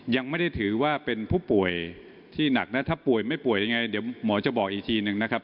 ยังไม่ได้ถือว่าเป็นผู้ป่วยที่หนักนะถ้าป่วยไม่ป่วยยังไงเดี๋ยวหมอจะบอกอีกทีหนึ่งนะครับ